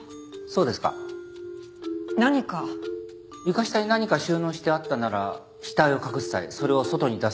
床下に何か収納してあったなら死体を隠す際それを外に出さなければならない。